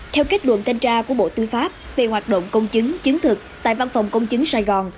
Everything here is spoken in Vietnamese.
theo kết luận thanh tra của bộ tư pháp về hoạt động công chứng chứng thực tại văn phòng công chứng sài gòn